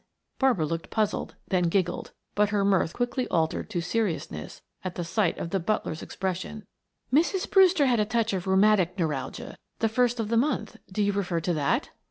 Barbara looked puzzled, then giggled, but her mirth quickly altered to seriousness at sight of the butler's expression. "Mrs. Brewster had a touch of rheumatic neuralgia the first of the month; do you refer to that?"